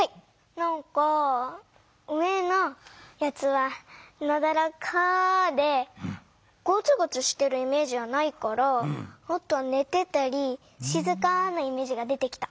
なんか上のやつはなだらかでゴツゴツしてるイメージはないからあとはねてたりしずかなイメージが出てきた。